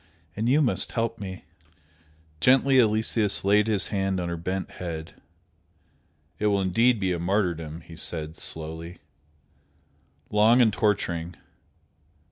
And you must help me!" Gently Aloysius laid his hand on her bent head. "It will be indeed a martyrdom!" he said, slowly, "Long and torturing!